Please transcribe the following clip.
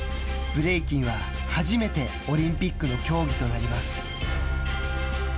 ブレイキンは、初めてオリンピックの競技となります。